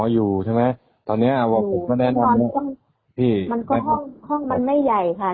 อยู่ใช่ไหมตอนเนี้ยอ่ะพี่มันก็ห้องห้องมันไม่ใหญ่ค่ะ